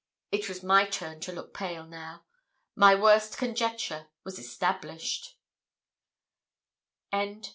It was my turn to look pale now. My worst conjecture was established.